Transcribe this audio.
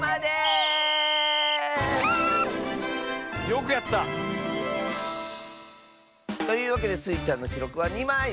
よくやった。というわけでスイちゃんのきろくは２まい！